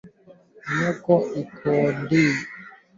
Myoko iko mingi sana mu mashamba ya mama